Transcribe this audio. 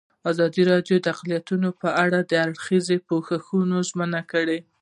ازادي راډیو د اقلیتونه په اړه د هر اړخیز پوښښ ژمنه کړې.